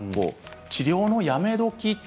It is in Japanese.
治療のやめ時